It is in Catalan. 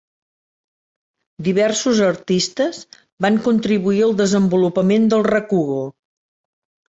Diversos artistes van contribuir al desenvolupament del rakugo.